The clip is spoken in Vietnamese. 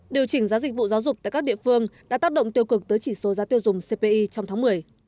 điều chỉnh giá dịch vụ giáo dục tại các địa phương đã tác động tiêu cực tới chỉ số giá tiêu dùng cpi trong tháng một mươi